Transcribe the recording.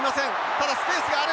ただスペースがある！